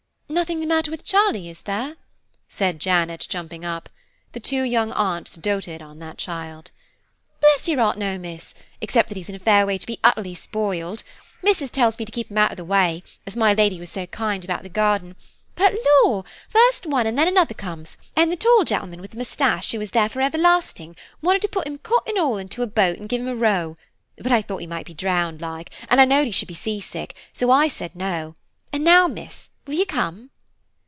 "Nothing the matter with Charlie, is there?" said Janet jumping up. The two young aunts doted on that child. "Bless your heart, no, Miss! except that he's in a fair way to be utterly spoiled. Missus telled me to keep him out of the way, as my Lady was so kind about the garden; but Law! first one and then another comes, and the tall gentleman with the moustache who is there for everlasting wanted to put him cot and all into a boat and give him a row; but I thought he might be drownded like, and I knowed I should be sea sick, so I said, no; and now, Miss, will you come?"